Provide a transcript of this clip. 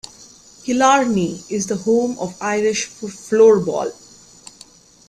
Killarney is the home of Irish floorball.